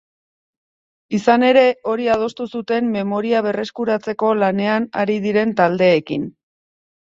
Izan ere, hori adostu zuten memoria berreskuratzeko lanean ari diren taldeekin.